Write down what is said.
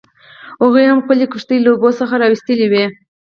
هغوی هم خپلې کښتۍ له اوبو څخه راویستلې وې.